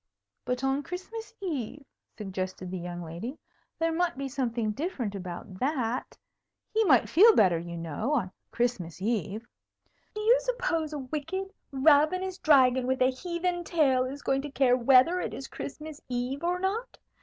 "But on Christmas Eve?" suggested the young lady. "There might be something different about that. He might feel better, you know, on Christmas Eve." "Do you suppose a wicked, ravenous dragon with a heathen tail is going to care whether it is Christmas Eve or not?